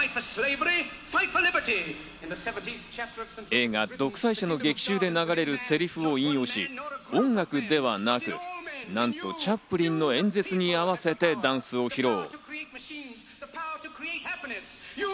映画『独裁者』の劇中で流れるセリフを引用し、音楽ではなくなんとチャップリンの演説に合わせてダンスを披露。